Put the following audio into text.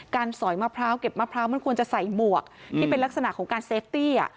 สอยมะพร้าวเก็บมะพร้าวมันควรจะใส่หมวกที่เป็นลักษณะของการเซฟตี้